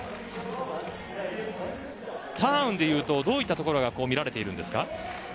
ターンでいうとどういったところが見られているんですか？